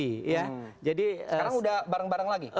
sekarang sudah bareng bareng lagi